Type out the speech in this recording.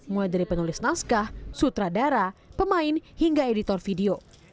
mulai dari penulis naskah sutradara pemain hingga editor video